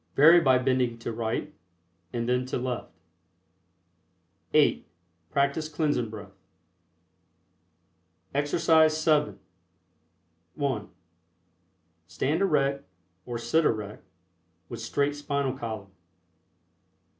(Vary by bending to right and then to left.) (8) Practice Cleansing Breath. EXERCISE VII. (1) Stand erect, or sit erect, with straight spinal column.